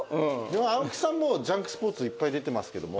青木さん『ジャンクＳＰＯＲＴＳ』いっぱい出てますけども。